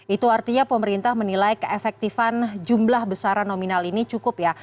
itu artinya pemerintah menilai keefektifan jumlah besaran nominal ini cukup ya